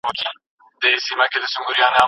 موږ بايد تل د زده کړې هڅه وکړو.